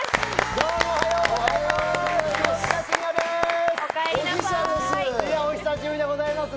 どうもおはようございます！